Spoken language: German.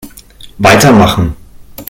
Weitermachen!